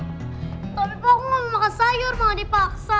tapi papa gak mau makan sayur gak mau dipaksa